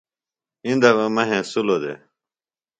ایندا بھےۡ مہ ہینسِلوۡ دےۡ